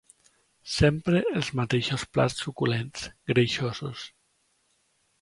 Sempre els mateixos plats suculents, greixosos